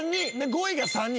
５位が３人。